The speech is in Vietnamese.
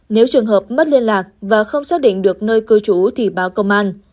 nếu trường hợp mất liên lạc và không xác định được nơi cư trú thì báo công an